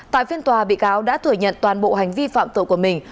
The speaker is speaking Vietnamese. tại phiên tòa bị cáo đã thừa nhận toàn bộ hành vi phạm tội của mình